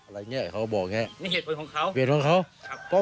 อะไรเงี้ยเขาก็บอกแงนี่เหตุผลของเขาเหตุผลของเขาครับ